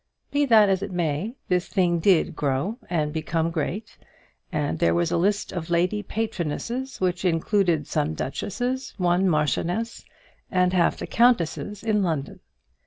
Be that as it may, this thing did grow and become great, and there was a list of lady patronesses which included some duchesses, one marchioness, and half the countesses in London.